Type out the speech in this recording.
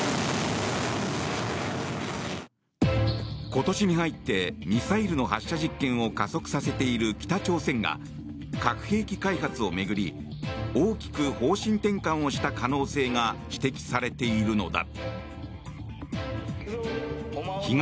今年に入ってミサイルの発射実験を加速させている北朝鮮が核兵器開発を巡り大きく方針転換をした可能性が指摘されているのだ。